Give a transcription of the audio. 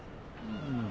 うん。